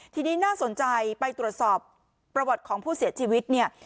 ทีนี้น่าสนใจไปตรวจสอบประวัติของผู้เสียชีวิตเนี่ย